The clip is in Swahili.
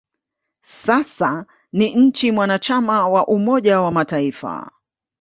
Sasa ni nchi mwanachama wa Umoja wa Mataifa.